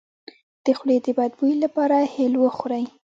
د خولې د بد بوی لپاره هل وخورئ